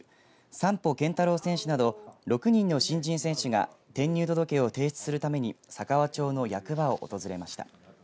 山保健太郎選手など６人の新人選手が転入届を提出するために佐川町の役場を訪れました。